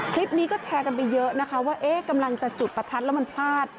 คลิปนี้ก็แชร์กันไปเยอะนะคะว่าเอ๊ะกำลังจะจุดประทัดแล้วมันพลาด